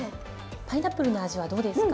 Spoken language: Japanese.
パイナップルの味はどうですか？